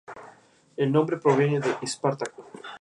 El Ayuntamiento, por su parte, optó por una obra de Fernández Moreno.